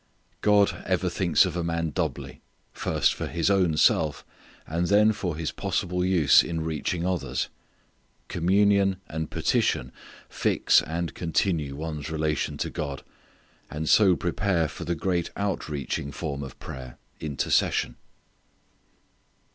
God ever thinks of a man doubly: first for his own self, and then for his possible use in reaching others. Communion and petition fix and continue one's relation to God, and so prepare for the great outreaching form of prayer intercession.